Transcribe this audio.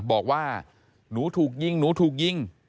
บอกว่าหนูถูกยิงหนูถูกยิง